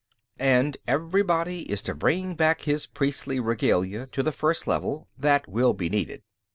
And everybody is to bring back his priestly regalia to the First Level; that will be needed."